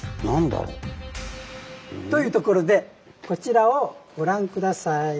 何だろう？というところでこちらをご覧下さい。